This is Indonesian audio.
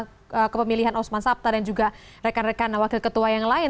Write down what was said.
bukan cuma masalah kepemilihan osman sabta dan juga rekan rekan wakil ketua yang lain